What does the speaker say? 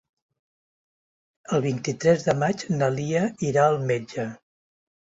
El vint-i-tres de maig na Lia irà al metge.